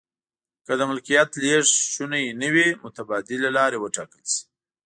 که د ملکیت لیږد شونی نه وي متبادلې لارې و ټاکل شي.